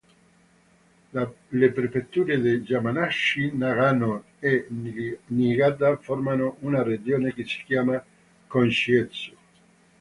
Le prefetture di Yamanashi, Nagano e Niigata formano una regione che si chiama Kōshin'etsu.